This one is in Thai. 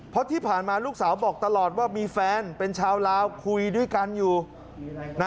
เพราะที่ผ่านมาลูกสาวบอกตลอดว่ามีแฟนเป็นชาวลาวคุยด้วยกันอยู่นะ